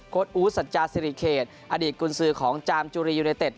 อู๋สัจจาสิริเขตอดีตกุญสือของจามจุรียูเนเต็ด